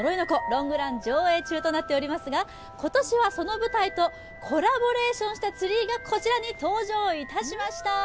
ロングラン上映中となっておりますが、今年はその舞台とコラボレーションしたツリーがこちらに登場いたしました。